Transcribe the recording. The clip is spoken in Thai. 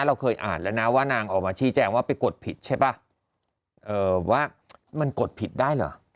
เราเคยอ่านแล้วนะว่านางออกมาชี้แจงว่าไปกดผิดใช่ป่ะเอ่อว่ามันกดผิดได้เหรอ